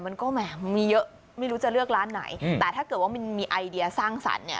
มันก็แหมมีเยอะไม่รู้จะเลือกร้านไหนแต่ถ้าเกิดว่ามันมีไอเดียสร้างสรรค์เนี่ย